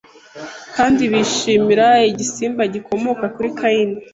kandi bishimira igisimba gikomoka kuri Kayini